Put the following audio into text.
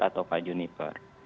atau pak juniper